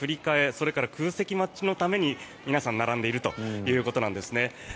それから空席待ちのために皆さん、並んでいるということなんですね。